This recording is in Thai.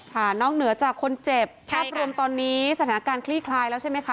นอกเหนือจากคนเจ็บภาพรวมตอนนี้สถานการณ์คลี่คลายแล้วใช่ไหมคะ